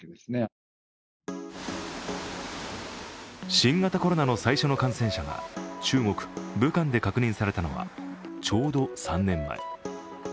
新型コロナの最初の感染者が中国・武漢で確認されたのはちょうど３年前。